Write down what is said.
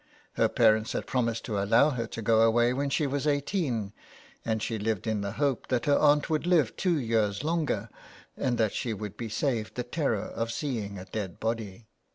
Her parents had promised to allow her to go away when she was eighteen, and she lived in the hope that her aunt would live two years longer, and that she would be saved the terror of seeing a dead body.